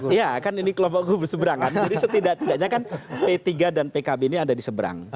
iya kan ini kelompok gubes seberangan jadi setidak tidaknya kan p tiga dan pkb ini ada di seberang